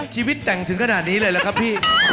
ชีวิตแต่งถึงขนาดนี้เลยล่ะครับพี่